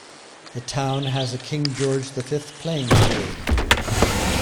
The town has a King George the Fifth Playing Field.